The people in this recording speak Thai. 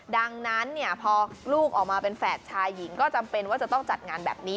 ดังนั้นพอลูกออกมาเป็นแฝดชายหญิงก็จำเป็นว่าจะต้องจัดงานแบบนี้